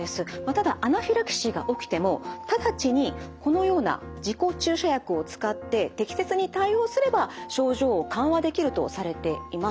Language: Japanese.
ただアナフィラキシーが起きても直ちにこのような自己注射薬を使って適切に対応すれば症状を緩和できるとされています。